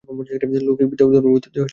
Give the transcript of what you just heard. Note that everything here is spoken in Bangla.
লৌকিক বিদ্যাও ধর্মের ভিতর দিয়ে শেখাতে হবে।